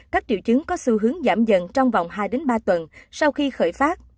các triệu chứng có xu hướng giảm dần trong vòng hai ba tuần sau khi khởi phát